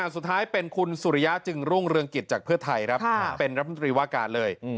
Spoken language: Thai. สุดท้ายเป็นคุณสุริยะจึงรุ่งเรืองกิจจากเพื่อไทยครับเป็นรัฐมนตรีว่าการเลย